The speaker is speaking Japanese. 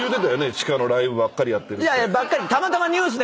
「地下のライブばっかりやってる」って。